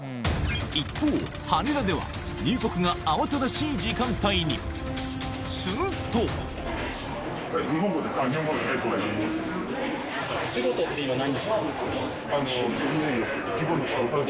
一方羽田では入国が慌ただしい時間帯にするとあはいはい。